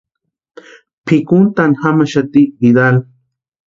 Pʼikuntani jamaxati Vidal.